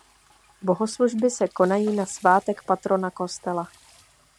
Bohoslužby se konají na svátek patrona kostela.